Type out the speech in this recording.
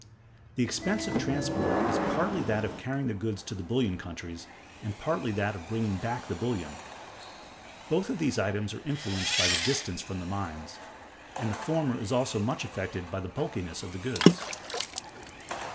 The expense of transport is partly that of carrying the goods to the bullion countries, and partly that of bringing back the bullion; both these items are influenced by the distance from the mines; and the former is also much affected by the bulkiness of the goods.